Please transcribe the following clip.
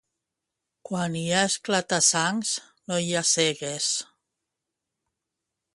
Quan hi ha esclata-sangs, no hi ha cegues.